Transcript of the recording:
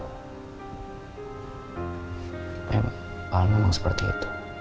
hal memang seperti itu